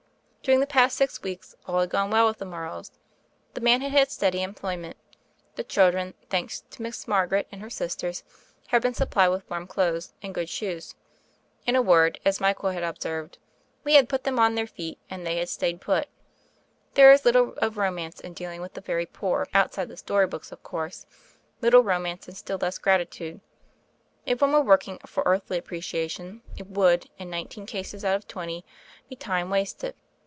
During the past six weeks all had gone well with the Morrows. The man had had steady employment, the children, thanks to Miss Margaret and her sisters, had been supplied with warm clothes and good shoes. In a word, as Michael had observed, we had put them on their feet and they had stayed p>it.'* There is little of romance in dealing with the very poor — outside the story books, of course — little romance, and still less gratitude. If one were working for earthly appreciation it would, in nineteen cases out of twenty, be time wasted.